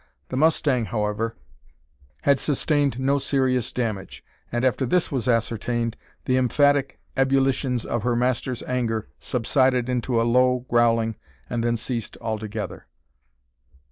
The mustang, however, had sustained no serious damage; and after this was ascertained, the emphatic ebullitions of her master's anger subsided into a low growling, and then ceased altogether.